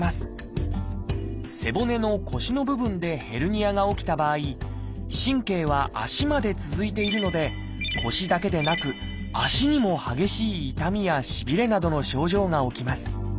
背骨の腰の部分でヘルニアが起きた場合神経は足まで続いているので腰だけでなく足にも激しい痛みやしびれなどの症状が起きます。